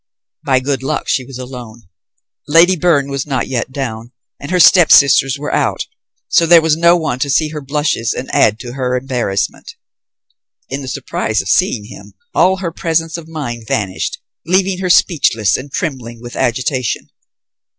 By good luck, she was alone. Lady Byrne was not yet down, and her stepsisters were out; so there was no one to see her blushes and add to her embarrassment. In the surprise of seeing him, all her presence of mind vanished, leaving her speechless and trembling with agitation.